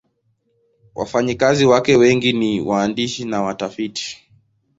Wafanyakazi wake wengi ni waandishi na watafiti.